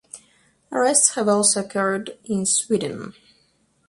Arrests have also occurred in Sweden.